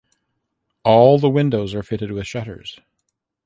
All the windows are fitted with shutters.